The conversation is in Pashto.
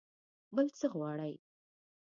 بل څه غواړئ؟